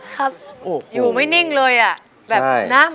ครับอยู่ไม่นิ่งเลยอะ